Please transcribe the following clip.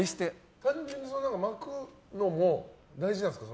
巻くのも大事なんですか？